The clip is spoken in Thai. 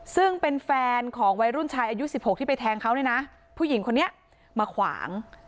ซึ่งเป็นแฟนของวัยรุ่นชายอายุ๑๖ที่ไปแทงเขาเนี่ยนะผู้หญิงคนนี้มาขวาง